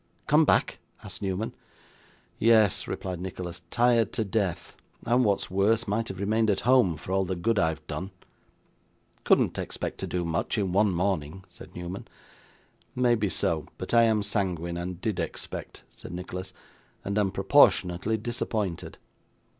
'Come back?' asked Newman. 'Yes,' replied Nicholas, 'tired to death: and, what is worse, might have remained at home for all the good I have done.' 'Couldn't expect to do much in one morning,' said Newman. 'Maybe so, but I am sanguine, and did expect,' said Nicholas, 'and am proportionately disappointed.